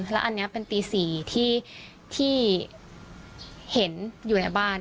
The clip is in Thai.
แล้วอันนี้เป็นตี๔ที่เห็นอยู่ในบ้าน